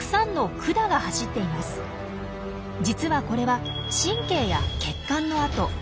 実はこれは神経や血管の跡。